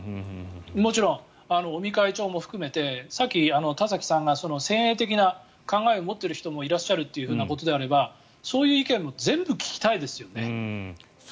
もちろん尾身会長も含めてさっき田崎さんが先鋭的な考えを持っている方もいらっしゃるということであればそういう意見も全部聞きたいですよね。